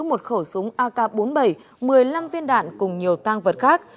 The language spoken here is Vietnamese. một khẩu súng ak bốn mươi bảy một mươi năm viên đạn cùng nhiều tăng vật khác